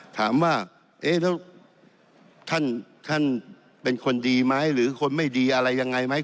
ถามว่าเอ๊ะแล้วท่านเป็นคนดีไหมหรือคนไม่ดีอะไรยังไงไหม